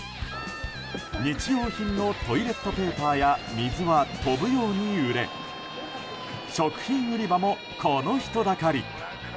日用品のトイレットペーパーや水は飛ぶように売れ食品売り場も、この人だかり。